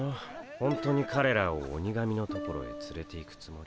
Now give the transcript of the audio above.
ほんとにかれらを鬼神のところへつれていくつもり？